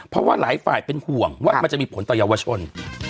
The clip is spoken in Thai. เพราะว่าหลายฝ่ายเป็นห่วงว่ามันจะมีผลต่อเยาวชน